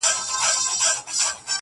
توري شپې لا ګوري په سهار اعتبار مه کوه-